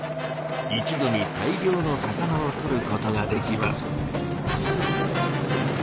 一度に大量の魚をとることができます。